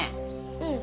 うん。